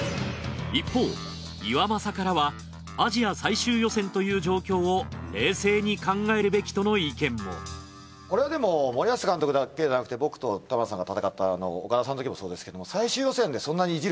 一方岩政からはアジア最終予選という状況を冷静に考えるべきとの意見もこれはでも森保監督だけじゃなくて僕と玉田さんが戦った小川さんのときもそうですけど。